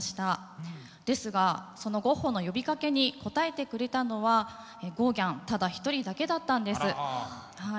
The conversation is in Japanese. ですがそのゴッホの呼びかけに答えてくれたのはゴーギャンただ１人だけだったんです。